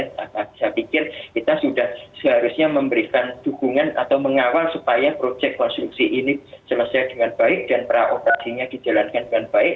saya pikir kita sudah seharusnya memberikan dukungan atau mengawal supaya proyek konstruksi ini selesai dengan baik dan praoperasinya dijalankan dengan baik